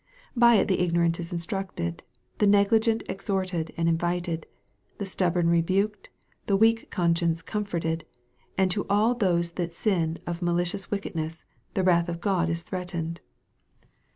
By it the ignorant is instructed, the negligent exhorted and invited, the stubborn rebuked, the weak conscience comforted, and to all those that sin of malicious wickedness, the wrath of God is threatened.